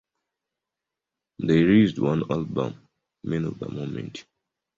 They released one album, "Men of the Moment".